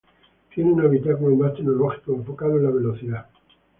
Tiene un habitáculo más tecnológico enfocado en la velocidad.